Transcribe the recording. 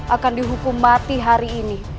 akan dihukum mati hari ini